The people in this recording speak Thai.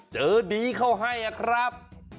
เจอดีเข้าให้ครับ